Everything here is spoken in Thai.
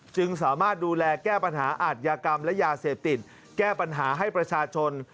จึงสามารถดูแลแก้ปัญหาอาทยากรรมและยาเสพติดแก้ปัญหาให้ประชาชน